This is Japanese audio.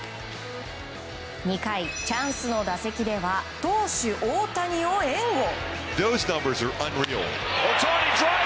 ２回、チャンスの打席では投手・大谷を援護。